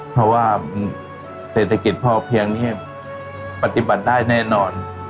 เพราะว่าเศรษฐกิจพ่อเพียงนี้ปฏิบัติได้แน่นอน